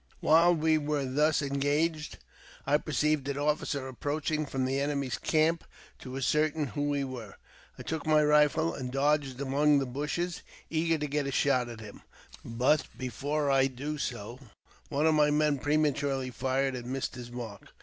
While we were thus engaged, I perceived an officer approaching from the enemy's camp to ascertain who we were. I took my rifle, and dodged among the bushes, eager to get a shot at him ; but, before I could do so, one of my men prematurely fired, and missed his mark.